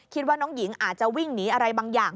คิดว่าน้องหญิงอาจจะวิ่งหนีอะไรบางอย่าง